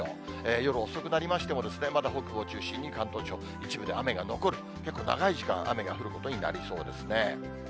夜遅くなりましても、まだ北部を中心に関東地方、一部で雨が残る、結構、長い時間雨が降ることになりそうですね。